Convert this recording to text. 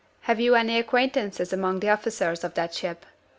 Have you any acquaintances among the officers of that ship?"